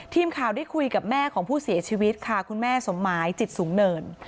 ทีมข่าวได้คุยกับแม่ของผู้เสียชีวิตค่ะคุณแม่สมหมายจิตสูงเนิน